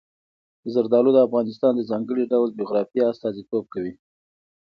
زردالو د افغانستان د ځانګړي ډول جغرافیه استازیتوب کوي.